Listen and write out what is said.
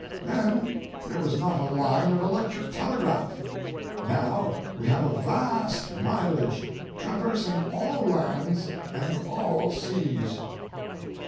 Then there was not a line of electric telegraph; now we have a vast mileage traversing all lands and all seas.